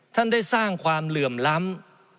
ท่านได้สร้างความเหลื่อมล้ำ